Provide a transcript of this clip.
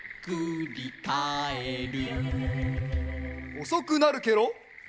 おそくなるケロ。